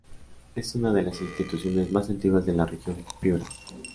Es una de las institución más antiguas de la Región Piura.